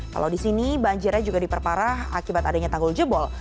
kalau di sini banjirnya juga diperparah akibat adanya tanggul jebol